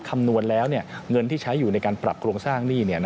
คำนวณแล้วเงินที่ใช้อยู่ในการปรับโครงสร้างหนี้